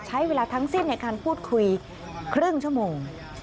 ใช้เวลาทั้งสิ้นในการพูดคุยครึ่งชั่วโมง